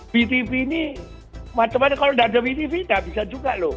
btv ini macam macam kalau tidak ada btv tidak bisa juga loh